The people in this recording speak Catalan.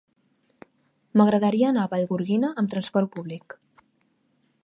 M'agradaria anar a Vallgorguina amb trasport públic.